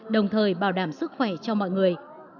đồng thời bảo đảm sức khỏe cho mọi người